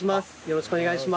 よろしくお願いします。